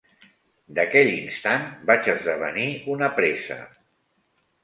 D’aquell instant vaig esdevenir una presa